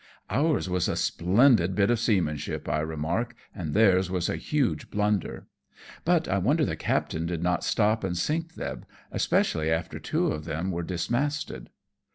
" Ours was a splendid bit of seamanship/' I remark, " and theirs was a huge blunder ; but I wonder the captain did not stop and sink them, especially after two of them were dismasted."